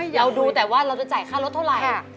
เราดูแต่ว่าเราจะจ่ายค่ารถเท่าไหร่